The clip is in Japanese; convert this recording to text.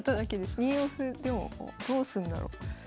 ２四歩でもどうすんだろう。